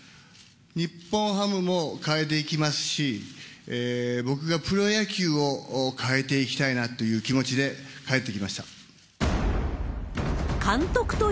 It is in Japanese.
日本ハムも変えていきますし、僕がプロ野球を変えていきたいなっていう気持ちで帰ってきました。